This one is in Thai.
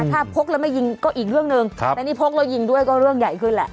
ถ้าพกแล้วไม่ยิงก็อีกเรื่องหนึ่งแต่นี่พกแล้วยิงด้วยก็เรื่องใหญ่ขึ้นแหละ